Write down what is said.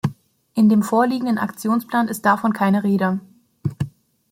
In dem vorliegenden Aktionsplan ist davon keine Rede.